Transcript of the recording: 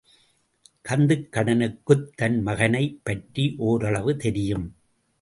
கந்துக்கடனுக்குத் தன் மகனைப் பற்றி ஒரளவு தெரியும்.